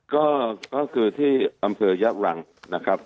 ก็คือที่อำเภอยักษ์หลังนะครับ